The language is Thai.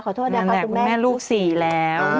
คุณแม่ลูกสี่แล้ว